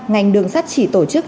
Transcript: ngành đường sắt chỉ tổ chức